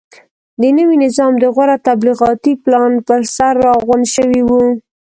د نوي نظام د غوره تبلیغاتي پلان پرسر راغونډ شوي وو.